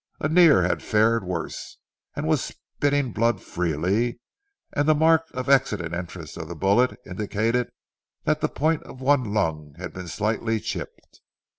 Annear had fared worse, and was spitting blood freely, and the marks of exit and entrance of the bullet indicated that the point of one lung had been slightly chipped.